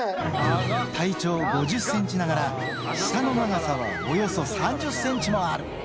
体長５０センチながら、舌の長さはおよそ３０センチもある。